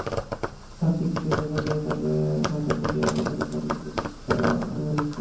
তাঁর টিকিটে দেখা যায়, তাঁকে ঢাকা থেকে পঞ্চগড় পর্যন্ত টিকিট দেওয়া হয়েছে।